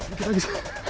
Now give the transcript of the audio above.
dikit lagi sa